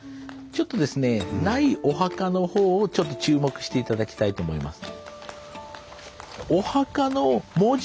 ちょっとですねないお墓のほうをちょっと注目して頂きたいと思います。